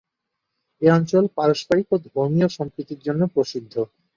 এ অঞ্চল পারস্পরিক ও ধর্মিয় সম্প্রীতির জন্য প্রসিদ্ধ।